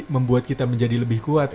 membuat kita menjadi lebih kuat